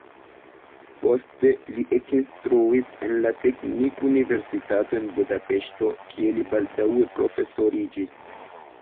Poste li ekinstruis en la teknikuniversitato en Budapeŝto, kie li baldaŭe profesoriĝis.